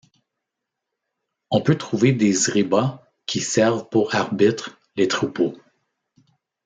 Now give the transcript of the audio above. On peut trouver des Zriba qui servent pour arbitre les troupeaux.